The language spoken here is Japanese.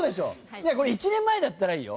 いやこれ１年前だったらいいよ。